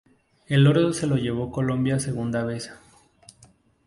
El oro se lo llevó Colombia segunda vez.